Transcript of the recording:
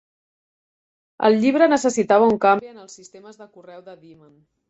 El llibre necessitava un canvi en els sistemes de correu de Demon.